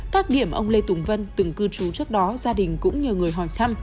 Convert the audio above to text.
các điểm ông lê tùng vân từng cư trú trước đó gia đình cũng nhờ người hỏi thăm